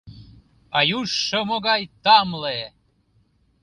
А южшо могай тамле!